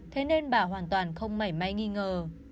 thế nên bà hoàn toàn không mảy may nghi ngờ